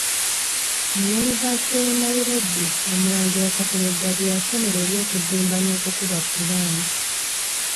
Mu yunivasite y’e Nairobi Omulangira Kateregga gye yasomera eby'okuzimba n’okukuba ppulaani.